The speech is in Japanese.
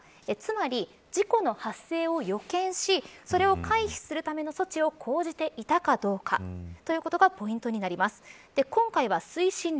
つまり、事故の発生を予見しそれを回避するための措置を講じていたかとかということがポイントになります。